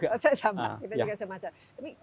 saya sama kita juga siap macam